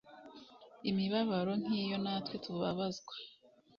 imibabaro nk iyo natwe tubabazwa